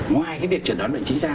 ngoài cái việc trần đoán bệnh trí ra